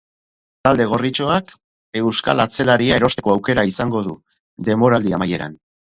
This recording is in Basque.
Talde gorritxoak euskal atzelaria erosteko aukera izango du denboraldi amaieran.